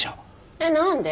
えっなんで？